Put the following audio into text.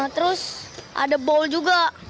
terus ada bowl juga